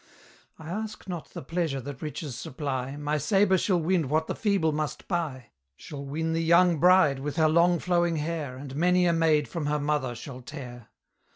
I ask not the pleasure that riches supply, My sabre shall win what the feeble must buy: Shall win the young bride with her long flowing hair, And many a maid from her mother shall tear.